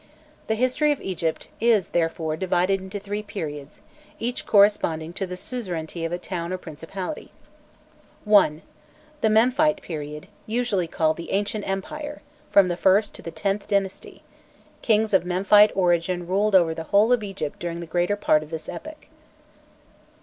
The history of Egypt is, therefore, divided into three periods, each corresponding to the suzerainty of a town or a principality: I. Memphite Period, usually called the "Ancient Empire," from the Ist to the Xth dynasty: kings of Memphite origin ruled over the whole of Egypt during the greater part of this epoch.